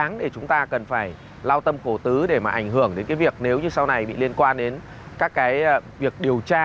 cũng đáng để chúng ta cần phải lao tâm cổ tứ để mà ảnh hưởng đến việc nếu như sau này bị liên quan đến các việc điều tra